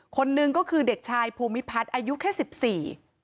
คนหนึ่งก็คือเด็กชายภูมิพัฒน์อายุแค่สิบสี่